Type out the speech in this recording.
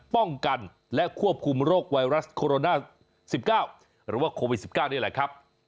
ป้องกันและควบคุมโรคไวรัสโคโรนา๑๙หรือว่าโควิด๑๙นี่แหละครับ